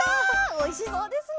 おいしそうですね。